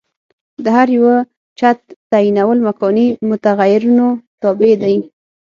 د هر یوه چت تعینول مکاني متغیرونو تابع دي.